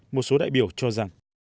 một số đại biểu cho rằng